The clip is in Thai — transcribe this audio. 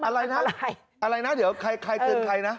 อะไรนะอะไรนะเดี๋ยวใครเตือนใครนะ